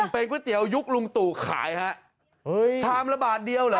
เป็นก๋วยเตี๋ยวยุคลุงตู่ขายฮะชามละบาทเดียวเหรอ